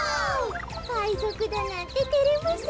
かいぞくだなんててれますねえ。